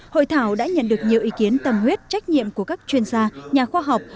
hội thảo đã nhận được nhiều ý kiến tâm huyết trách nhiệm của các chuyên gia nhà khoa học